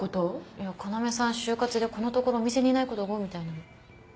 いや要さん就活でこのところお店にいないことが多いみたいなの。